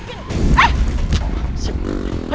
tidak ada yang bisa dipercaya